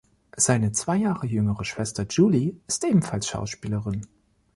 Seine zwei Jahre jüngere Schwester Julie ist ebenfalls Schauspielerin.